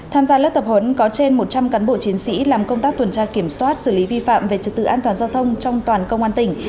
tham gia lớp tập huấn có trên một trăm linh cán bộ chiến sĩ làm công tác tuần tra kiểm soát xử lý vi phạm về trật tự an toàn giao thông trong toàn công an tỉnh